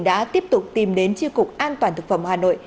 đã tiếp tục tìm đến di cục an toàn vệ sinh tp hà nội